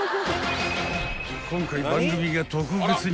［今回番組が特別に入手］